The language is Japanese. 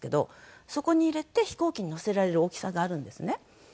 そこに入れて飛行機にのせられる大きさがあるんですね。